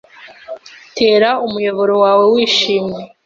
Tera umuyoboro wawe wishimye